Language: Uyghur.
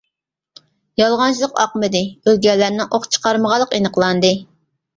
يالغانچىلىق ئاقمىدى، ئۆلگەنلەرنىڭ ئوق چىقارمىغانلىقى ئېنىقلاندى.